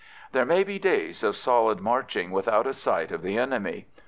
There may be days of solid marching without a sight of the enemy.